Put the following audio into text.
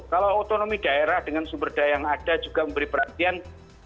kalau otonomi daerah dengan sumber daya yang ada juga memberi perhatian